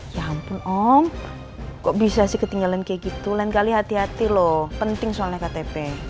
ya ampun om kok bisa sih ketinggalan kayak gitu lain kali hati hati loh penting soalnya ktp